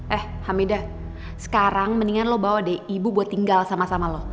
eh hamidah sekarang mendingan lo bawa deh ibu buat tinggal sama sama loh